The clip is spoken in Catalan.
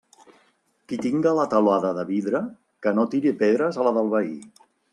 Qui tinga la teulada de vidre, que no tire pedres a la del veí.